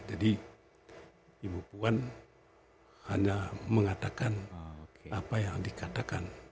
jadi ibu puan hanya mengatakan apa yang dikatakan